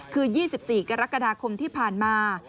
คือ๒๔กรกฎาคมที่ผ่านมา